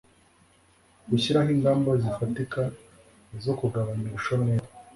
gushyiraho ingamba zifatika zo kugabanya ubushomeri